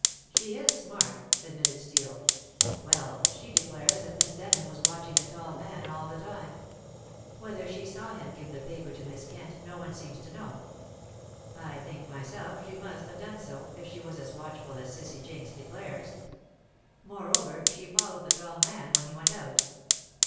"She is smart," admitted Steel. "Well, she declares that Miss Denham was watching the tall man all the time. Whether she saw him give the paper to Miss Kent no one seems to know; I think myself she must have done so, if she was as watchful as Cissy Jinks declares. Moreover, she followed the tall man when he went out."